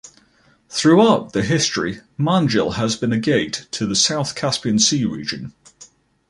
Throughout the history Manjil has been a gate to the southern Caspian Sea region.